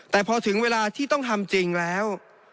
แต่พอถึงเวลาที่ต้องทำจริงแล้ว